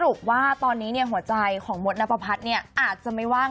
เรามองว่าให้มันค่อยพัฒนากันไปดีกว่า